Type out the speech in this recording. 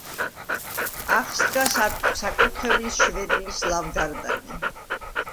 აღსდგა საკურთხევლის შვერილის ლავგარდანი.